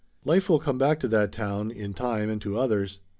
Life will come back to that town in time and to others.